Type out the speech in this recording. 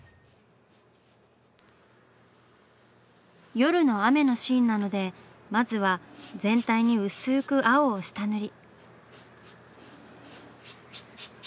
夜の雨のシーンなのでまずは全体に薄く青を下塗り。